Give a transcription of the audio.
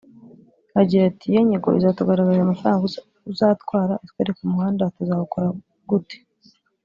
Agira ati “Iyo nyigo izatugaragariza amafaranga uzatwara…itwereke umuhanda tuzawukora gute